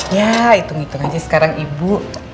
ya hitung hitung aja sekarang ibu